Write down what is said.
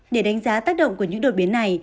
để đánh giá tác động của những đột biến này